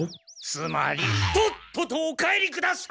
つまりとっととお帰りください！